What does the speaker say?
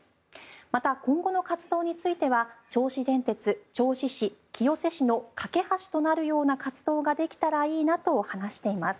また今後の活動については銚子電鉄、銚子市、清瀬市の懸け橋になるような活動ができたらいいなと話しています。